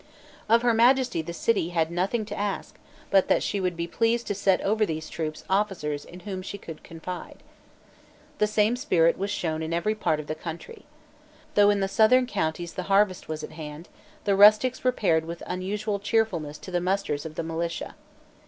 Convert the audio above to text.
Of Her Majesty the City had nothing to ask, but that she would be pleased to set over these troops officers in whom she could confide. The same spirit was shown in every part of the country. Though in the southern counties the harvest was at hand, the rustics repaired with unusual cheerfulness to the musters of the militia.